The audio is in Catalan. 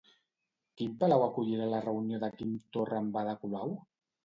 Quin palau acollirà la reunió de Quim Torra amb Ada Colau?